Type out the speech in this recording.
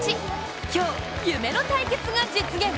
今日、夢の対決が実現。